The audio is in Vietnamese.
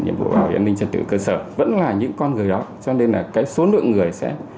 nhiệm vụ bảo vệ an ninh trật tự ở cơ sở vẫn là những con người đó cho nên là cái số lượng người sẽ